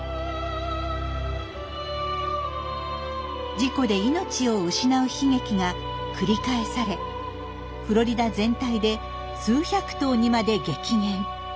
事故で命を失う悲劇が繰り返されフロリダ全体で数百頭にまで激減。